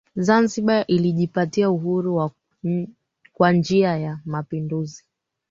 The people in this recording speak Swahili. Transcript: Zanzibar ilijipatia Uhuru kwa njia ya mapinduzi